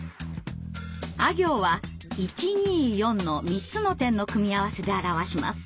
「あ行」は１２４の３つの点の組み合わせで表します。